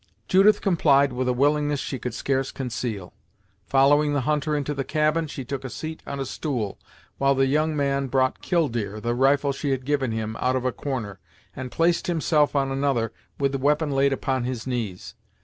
Judith complied with a willingness she could scarce conceal. Following the hunter into the cabin, she took a seat on a stool, while the young man brought Killdeer, the rifle she had given him, out of a corner, and placed himself on another, with the weapon laid upon his knees.